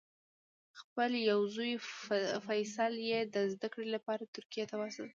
خپل یو زوی فیصل یې د زده کړې لپاره ترکیې ته واستاوه.